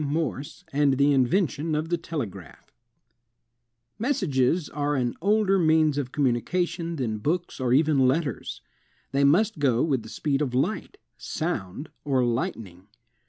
MORSE AND THE INVENTION OF THE TELEGRAPH Messages are an older means of communication than books or even letters. They must go with the speed of light, sound, or lightning.